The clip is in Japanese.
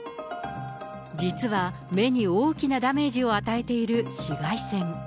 実は、目に大きなダメージを与えている紫外線。